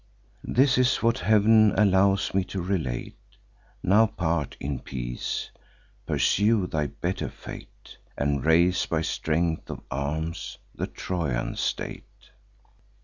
This is what Heav'n allows me to relate: Now part in peace; pursue thy better fate, And raise, by strength of arms, the Trojan state.